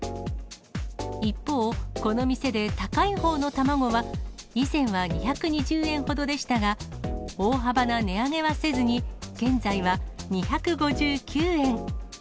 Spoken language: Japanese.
一方、この店で高いほうの卵は、以前は２２０円ほどでしたが、大幅な値上げはせずに、現在は２５９円。